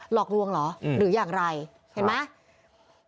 หลอกดวงหรอหรืออย่างไรเห็นไหมเนี่ยนะฮะ